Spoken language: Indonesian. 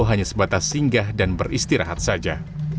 hanya sebatas singgah dan beristirahat saja